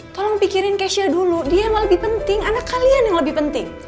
tolong pikirin kesha dulu dia yang lebih penting anak kalian yang lebih penting